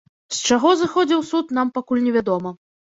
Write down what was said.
З чаго зыходзіў суд, нам пакуль невядома.